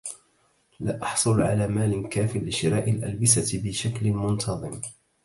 لا احصل على مال كافِ لشراء الالبسة بشكل منتظم